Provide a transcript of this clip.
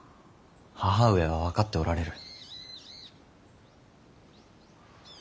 母上は分かっておられる。